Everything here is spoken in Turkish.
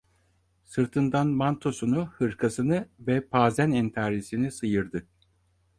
Sırtından mantosunu, hırkasını ve pazen entarisini sıyırdı.